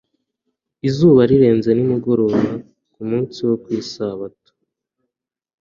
Izuba rirenze nimugoroba ku munsi wo kwitegura isabato,